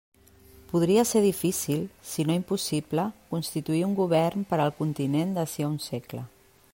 Podria ser difícil, si no impossible, constituir un govern per al continent d'ací a un segle.